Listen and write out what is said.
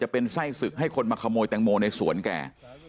เป็นไส้ศึกให้คนมาขโมยแตงโมในสวนแก